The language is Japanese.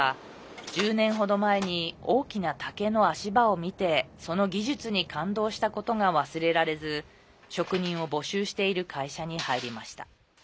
１０年程前に大きな竹の足場を見てその技術に感動したことが忘れられず職人を募集している会社に入りました。